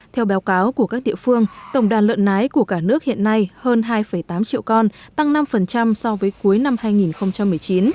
theo báo cáo của các địa phương tổng đàn lợn nái của cả nước hiện nay hơn hai tám triệu con tăng năm so với cuối năm hai nghìn một mươi chín